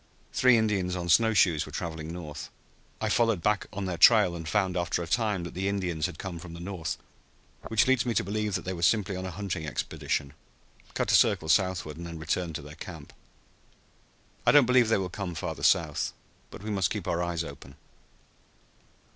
Three Indians on snow shoes were traveling north. I followed back on their trail and found after a time that the Indians had come from the north, which leads me to believe that they were simply on a hunting expedition, cut a circle southward, and then returned to their camp. I don't believe they will come farther south. But we must keep our eyes open."